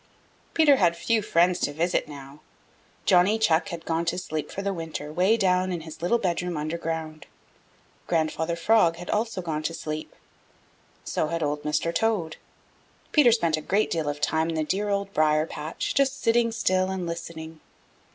Peter had few friends to visit now. Johnny Chuck had gone to sleep for the winter 'way down in his little bedroom under ground. Grandfather Frog had also gone to sleep. So had Old Mr. Toad. Peter spent a great deal of time in the dear Old Briar patch just sitting still and listening.